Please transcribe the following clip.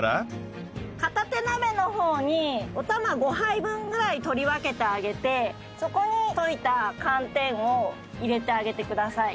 片手鍋の方にお玉５杯分ぐらい取り分けてあげてそこに溶いた寒天を入れてあげてください。